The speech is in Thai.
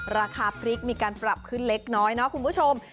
ราคาพริกมีการปรับขึ้นเล็กน้อยเนาะคุณผู้ชม